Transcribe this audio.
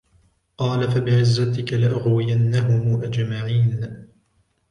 قَالَ فَبِعِزَّتِكَ لَأُغْوِيَنَّهُمْ أَجْمَعِينَ